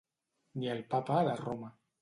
Ni el papa de Roma.